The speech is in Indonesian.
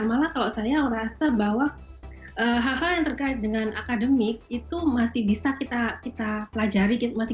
malah kalau saya merasa bahwa hal hal yang terkait dengan akademik itu masih bisa kita pelajari